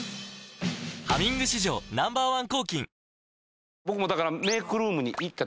「ハミング」史上Ｎｏ．１抗菌タレント